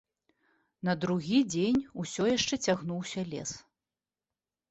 На другі дзень усё яшчэ цягнуўся лес.